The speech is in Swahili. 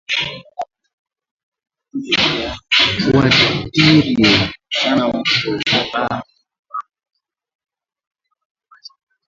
Tufwatirye sana mambo ya ba mama na urimaji